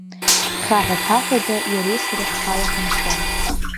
Хьаҳәа-ԥаҳәада иареи сареи ҳхала ҳанхон.